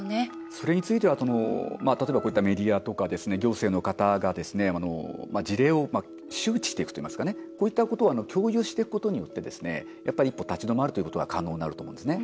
それについては例えば、こういったメディアとか行政の方がですね事例を周知していくといいますかこういったことを共有していくことによって一歩立ち止まるということが可能になると思うんですね。